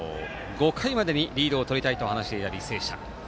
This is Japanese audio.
５回までにリードをとりたいと話していた履正社。